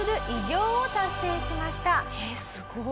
えっすごっ。